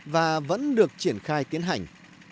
và vẫn được triển khai tiến hành